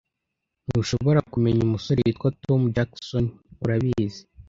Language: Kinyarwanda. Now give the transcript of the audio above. Ntushobora kumenya umusore witwa Tom Jackson, urabizi?